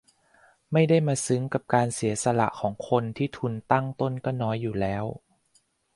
ไม่ใช่มาซึ้งกับการเสียสละของคนที่ทุนตั้งต้นก็น้อยอยู่แล้ว